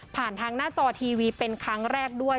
ผ่านทางหน้าจอทีวีเป็นครั้งแรกด้วย